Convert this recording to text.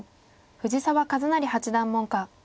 藤澤一就八段門下。